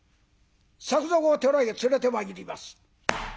作蔵を寺へ連れてまいります。